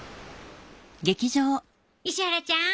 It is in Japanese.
石原ちゃん。